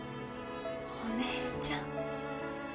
お姉ちゃん！